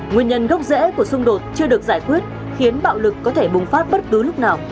nguyên nhân gốc rễ của xung đột chưa được giải quyết khiến bạo lực có thể bùng phát bất cứ lúc nào